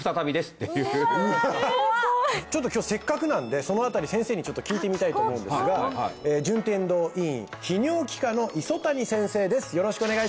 ちょっと今日せっかくなんでその辺り先生にちょっと聞いてみたいと思うんですが順天堂医院泌尿器科の磯谷先生です